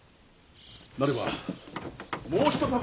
なればもう一たび。